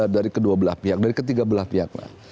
dari kedua belah pihak dari ketiga belah pihak lah